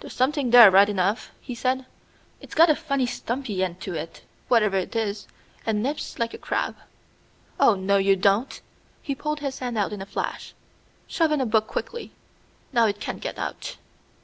"There's something there right enough," he said. "It's got a funny stumpy end to it, whatever it is, and nips like a crab. Ah, no, you don't!" He pulled his hand out in a flash. "Shove in a book quickly. Now it can't get out."